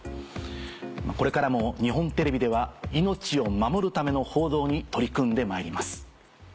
これからも日本テレビでは命を守るための報道に取り組んでまいります。